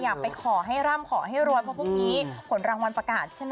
ไปขอให้ร่ำขอให้รวยเพราะพรุ่งนี้ผลรางวัลประกาศใช่ไหม